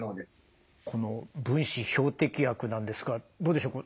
この分子標的薬なんですがどうでしょう？